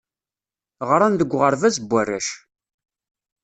Ɣran deg uɣerbaz n warrac.